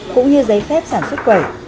cũng như giấy phép sản xuất quẩy